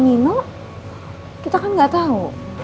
mino kita kan enggak tahu